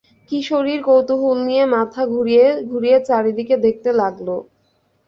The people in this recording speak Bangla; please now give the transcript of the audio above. কিশোরীর কৌতূহল নিয়ে মাথা ঘুরিয়ে ঘুরিয়ে চারদিকে দেখতে লাগল।